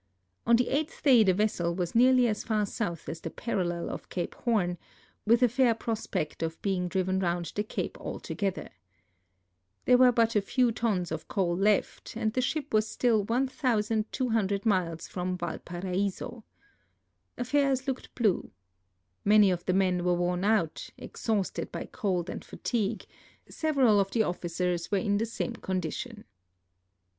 On the eighth day the vessel was nearly as far south as the parallel of Cape Horn, witii a fair prosj»ect of being driven round the cape altogether. There were but a few tons of coal left, and the ship was still 1,"J(X) miles from Valparaiso. AfTiiirs looked blue. Many of the men were ■worn out, exhausted by cold and fatigue; several of the oflicers were in the same condition.